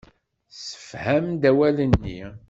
Tessefhem-d awal-nni.